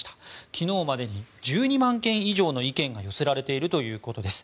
昨日までに１２万件以上の意見が寄せられているということです。